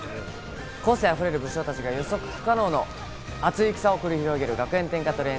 個性溢れる武将たちが予測不能の熱き戦を繰り広げる、学園天下獲り